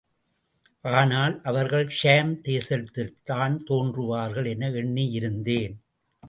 ஆனால், அவர்கள் ஷாம் தேசத்தில்தான் தோன்றுவார்கள் என எண்ணி இருந்தேன்.